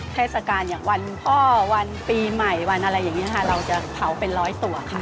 เทศกาลอย่างวันพ่อวันปีใหม่วันอะไรอย่างนี้ค่ะเราจะเผาเป็นร้อยตัวค่ะ